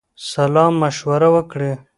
سلامشوره وکړی.